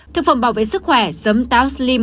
thực phẩm bảo vệ sức khỏe sấm táo slim